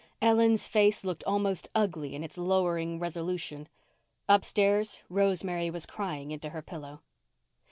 Ellen's face looked almost ugly in its lowering resolution. Upstairs Rosemary was crying into her pillow.